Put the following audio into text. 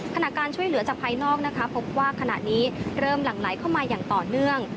ขณะการช่วยเหลือจากภายนอกนะคะพบว่าขณะนี้เริ่มหลั่งไหลเข้ามาอย่างต่อเนื่อง